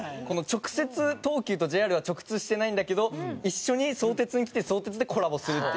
直接東急とＪＲは直通してないんだけど一緒に相鉄に来て相鉄でコラボするっていう。